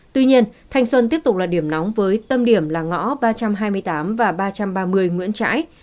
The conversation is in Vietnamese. tuy nhiên thanh xuân tiếp tục là điểm nóng với tâm điểm là ngõ ba trăm hai mươi tám và ba trăm ba mươi nguyễn trãi